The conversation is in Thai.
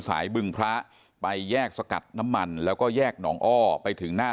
บึงพระไปแยกสกัดน้ำมันแล้วก็แยกหนองอ้อไปถึงหน้า